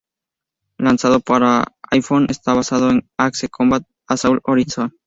Lanzado para iPhone, está basado en Ace Combat: Assault Horizon.